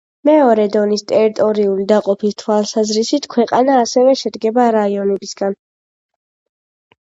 მეორე დონის ტერიტორიული დაყოფის თავალსაზრისით, ქვეყანა ასევე შედგება რაიონებისგან.